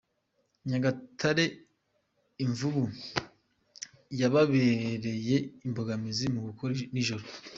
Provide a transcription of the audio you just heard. Nyagatare Imvubu yababereye imbogamizi mu gukora nijoro